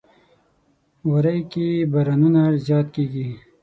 وری کې بارانونه زیات کیږي.